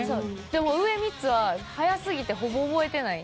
でも上３つは早すぎてほぼ覚えてない。